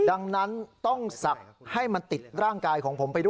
ดังนั้นต้องศักดิ์ให้มันติดร่างกายของผมไปด้วย